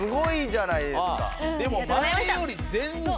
でも前より全然。